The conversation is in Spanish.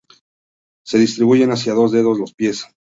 Se distribuyen hacia los dedos de los pies.